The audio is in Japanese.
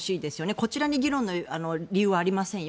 こちらに議論の理由はありませんよ。